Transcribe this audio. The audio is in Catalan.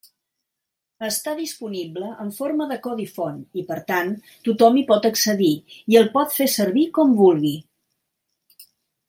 Està disponible en forma de codi font i, per tant, tothom hi pot accedir i el pot fer servir com vulgui.